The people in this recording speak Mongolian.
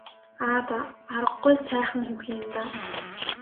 Аа даа аргагүй л сайхан хүүхэн юм даа.